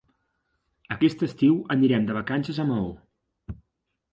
Aquest estiu anirem de vacances a Maó.